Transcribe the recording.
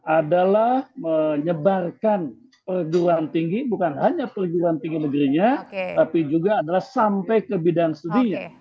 adalah menyebarkan perguruan tinggi bukan hanya perguruan tinggi negerinya tapi juga adalah sampai ke bidang studinya